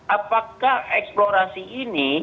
apakah eksplorasi ini